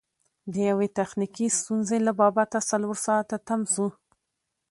د یوې تخنیکي ستونزې له با بته څلور ساعته تم سو.